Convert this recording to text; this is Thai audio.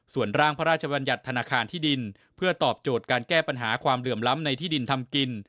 ส่วนร่างพระราชบัญญัติธนาคารที่ดินเพื่อตอบโจทย์การแก้ปัญหาความเหลื่อมล้ำในที่ดินทำกิน